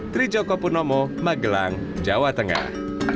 trijoko purnomo magelang jawa tengah